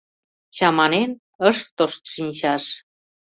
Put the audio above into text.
Чаманен, ыш тошт шинчаш.